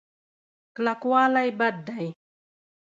کلکوالی بد دی.